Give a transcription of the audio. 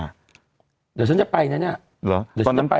เดี่ยวฉันจะไปเนี่ยเนี่ย